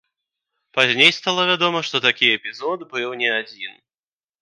Пазней стала вядома, што такі эпізод быў не адзін.